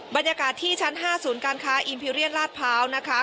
บรรยากาศที่ชั้น๕ศูนย์การค้าอิมพิเรียนลาดพร้าวนะคะ